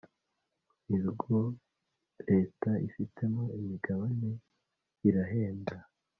mu bigo Leta ifitemo imigabane birahenda